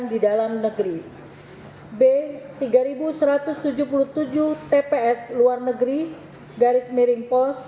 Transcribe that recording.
dan sembilan sembilan ratus sembilan